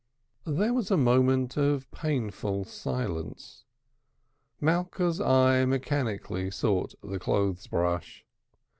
There was a moment of painful silence. Malka's eye mechanically sought the clothes brush.